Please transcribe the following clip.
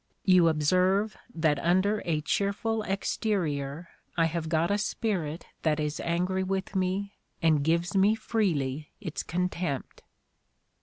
... You observe that under a cheerful exterior I have got a spirit that is angry with me and gives me freely its contempt."